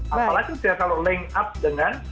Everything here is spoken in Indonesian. apalagi kalau dia link up dengan